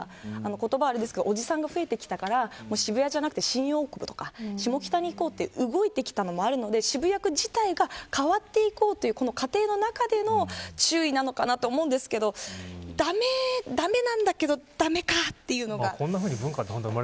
言葉悪いですけどおじさんが増えてきたから渋谷じゃなくて新大久保とか下北に行こうと動いてきたのもあるので渋谷区全体が変わっていこうという過程の中での注意なのかなと思うんですけど駄目なんだけど駄目かっていうのが。